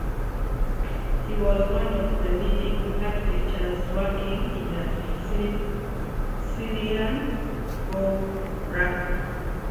He was one of the leading architects working in the Sicilian Baroque.